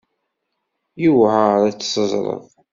Yewεer ad tt-teẓreḍ.